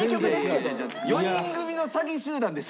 ４人組の詐欺集団です